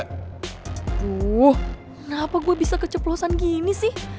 tuh kenapa gue bisa keceplosan gini sih